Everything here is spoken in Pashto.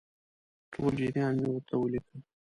ټول جریان مې ورته ولیکه.